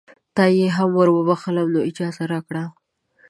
تا یې هم وروبخښلم نو اجازه راکړه.